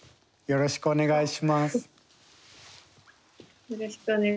よろしくお願いします。